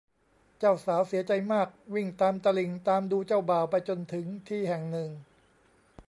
เจ้าสาวเสียใจมากวิ่งตามตลิ่งตามดูเจ้าบ่าวไปจนถึงที่แห่งหนึ่ง